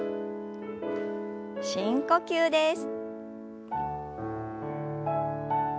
深呼吸です。